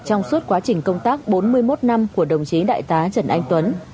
trong suốt quá trình công tác bốn mươi một năm của đồng chí đại tá trần anh tuấn